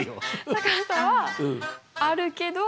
高さはあるけど。